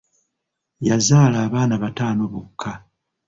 Yazaala abaana bataano bokka.